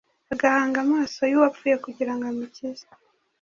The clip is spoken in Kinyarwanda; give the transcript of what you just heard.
agahanga amaso ye Uwapfuye kugira ngo amukize,